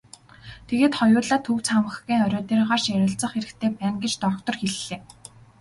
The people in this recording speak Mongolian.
Тэгээд хоёулаа төв цамхгийн орой дээр гарч ярилцах хэрэгтэй байна гэж доктор хэллээ.